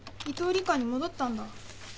伊藤里香に戻ったんだ。